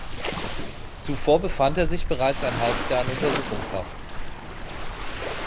Zuvor befand er sich bereits ein halbes Jahr in Untersuchungshaft.